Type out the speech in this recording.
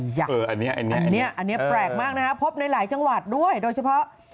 อย่างแบบนี้แปลกมากนะฮะพบในหลายจังหวัดด้วยโดยเฉพาะ